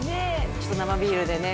ちょっと生ビールでね